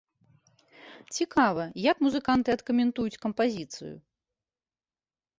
Цікава, як музыканты адкаментуюць кампазіцыю.